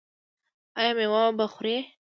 ایا میوه به خورئ؟